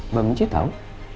mbak benci tahu